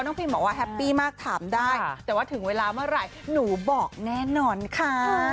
พิมบอกว่าแฮปปี้มากถามได้แต่ว่าถึงเวลาเมื่อไหร่หนูบอกแน่นอนค่ะ